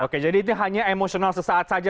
oke jadi itu hanya emosional sesaat saja